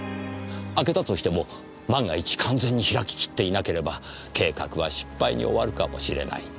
開けたとしても万が一完全に開き切っていなければ計画は失敗に終わるかもしれない。